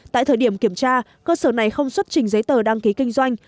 tại thời điểm kiểm tra cơ sở này không xuất trình giấy tờ đăng ký kinh doanh